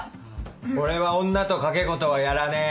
俺は女と賭け事はやらねえ。